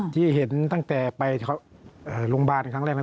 ที่เห็นตั้งแต่ไปโรงพยาบาลครั้งแรก